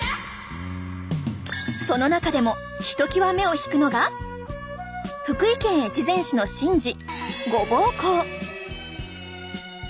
その中でもひときわ目を引くのが福井県越前市の神事ごぼう講。